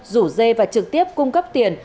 rủ dê và trực tiếp cung cấp tiền